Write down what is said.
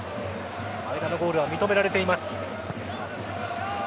前田のゴールは認められています。